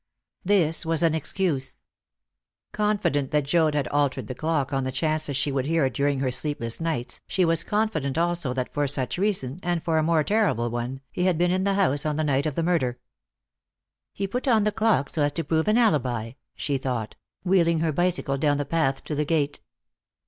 This was an excuse. Confident that Joad had altered the clock, on the chance that she would hear it during her sleepless nights, she was confident also that for such reason, and for a more terrible one, he had been in the house on the night of the murder. "He put on the clock so as to prove an alibi," she thought, wheeling her bicycle down the path to the gate.